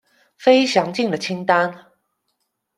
非详尽的清单。